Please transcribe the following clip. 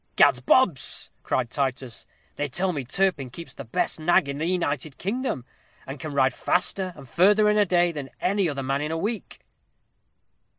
"Gads bobs!" cried Titus; "they tell me Turpin keeps the best nag in the United Kingdom, and can ride faster and further in a day than any other man in a week."